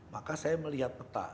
maka saya melihat peta